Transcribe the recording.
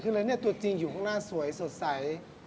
คืออะไรเนี่ยตัวจริงอยู่ข้างหน้าสวยสดใส